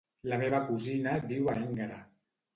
La meva cosina viu a Énguera.